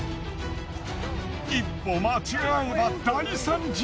一歩間違えば大惨事。